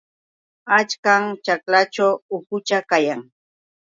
Achkam ćhaklaćhu ukucha kan.